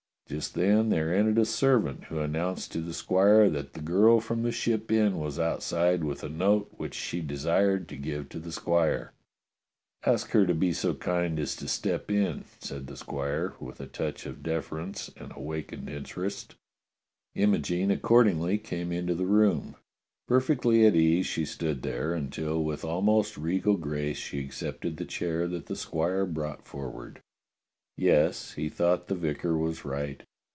Just then there entered a servant who announced to the squire that the girl from the Ship Inn was outside with a note which she desired to give to the squire. *' Ask her to be so kind as to step in," said the squire, with a touch of deference and awakened interest. Imogene accordingly came into the room. Per fectly at ease she stood there, until with almost regal grace she accepted the chair that the squire brought for ward. Yes, he thought the vicar was right.